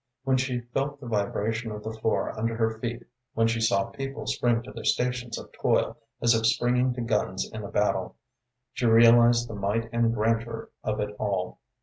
When she felt the vibration of the floor under her feet, when she saw people spring to their stations of toil, as if springing to guns in a battle, she realized the might and grandeur of it all.